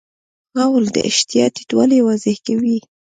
غول د اشتها ټیټوالی واضح کوي.